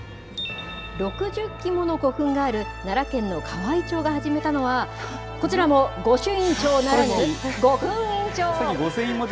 ６０基もの古墳がある奈良県の河合町が始めたのは、こちらも御朱印帳ならぬ、御墳印帳。